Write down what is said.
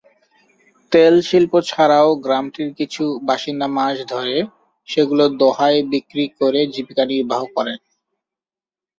তেল শিল্প ছাড়াও গ্রামটির কিছু বাসিন্দা মাছ ধরে সেগুলো দোহায় বিক্রি করে জীবিকা নির্বাহ করেন।